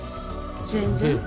全然。